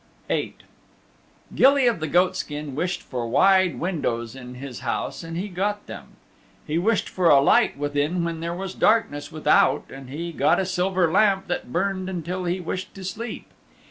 VIII Gilly of the Goatskin wished for wide windows in his house and he got them. He wished for a light within when there was darkness without, and he got a silver lamp that burned until he wished to sleep.